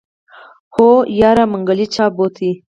هو يره منګلی چا بوته.